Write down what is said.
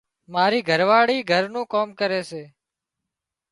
مارِي گھرواۯِي گھر نُون ڪام ڪري سي۔